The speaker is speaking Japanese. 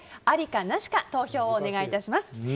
ありかなしか投票をお願いします。